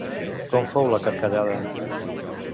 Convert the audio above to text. Com fou la carcallada?